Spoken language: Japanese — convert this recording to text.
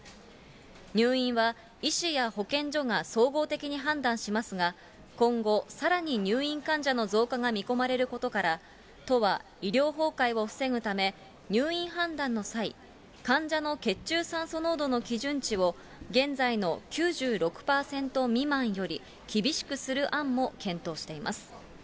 入院は、医師や保健所が総合的に判断しますが、今後、さらに入院患者の増加が見込まれることから、都は医療崩壊を防ぐため、入院判断の際、患者の血中酸素濃度の基準値を、現在の９６％未満より厳しくする案も検討しています。